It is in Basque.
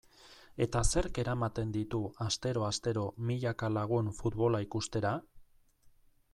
Eta zerk eramaten ditu astero-astero milaka lagun futbola ikustera?